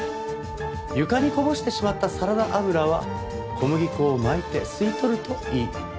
床にこぼしてしまったサラダ油は小麦粉をまいて吸い取るといい。